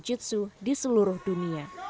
jitsu di seluruh dunia